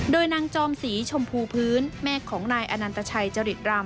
โดยนางจอมศรีชมพูพื้นแม่ของนายอนันตชัยจริตรำ